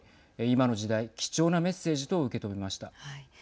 今の時代、貴重なメッセージと受け止めました。